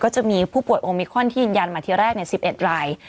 จะมีผู้ป่วยโอมิคอนที่ยืนยันมาทีแรก๑๑ราย